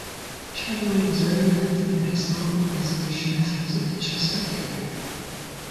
Chataway was very active in historical preservation efforts in the Chester area.